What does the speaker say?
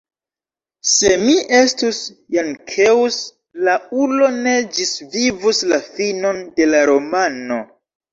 Se mi estus Jankeus, la ulo ne ĝisvivus la finon de la romano.